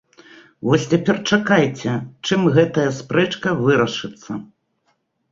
Вось цяпер чакайце, чым гэтая спрэчка вырашыцца.